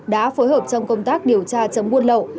đã phối hợp trong công tác điều tra chống buôn lậu